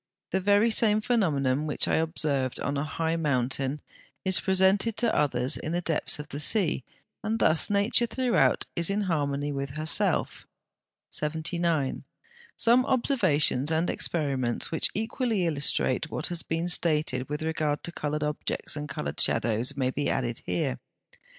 The very same phenomenon which I observed on a high mountain (75) is presented to others in the depths of the sea, and thus Nature throughout is in harmony with herself. 79. Some observations and experiments which equally illustrate what has been stated with regard to coloured objects and coloured shadows may be here added.